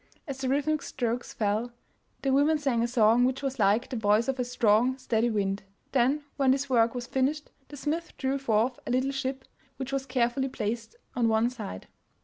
As the rhythmic strokes fell, the women sang a song which was like the voice of a strong, steady wind. Then when this work was finished, the smith drew forth a little ship, which was carefully placed on one side.